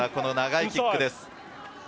長いキックです。